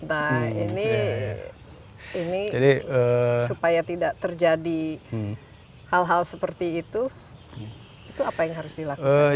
nah ini supaya tidak terjadi hal hal seperti itu itu apa yang harus dilakukan